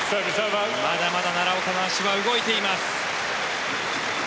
まだまだ奈良岡の足は動いています。